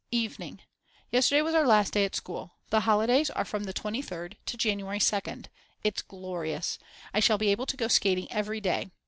Evening. Yesterday was our last day at school. The holidays are from the 23rd to January 2nd. It's glorious. I shall be able to go skating every day.